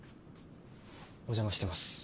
お邪魔してます。